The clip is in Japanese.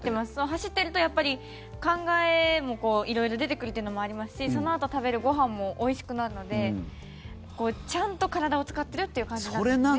走ってるとやっぱり考えも色々出てくるというのもありますしそのあと食べるご飯もおいしくなるのでちゃんと体を使ってるっていう感じになるんですね。